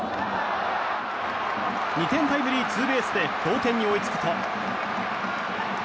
２点タイムリーツーベースで同点に追いつくと。